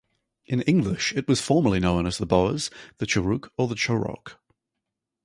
In English, it was formerly known as the Boas, the Churuk, or the Chorokh.